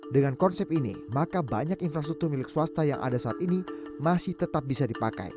dengan konsep ini maka banyak infrastruktur milik swasta yang ada saat ini masih tetap bisa dipakai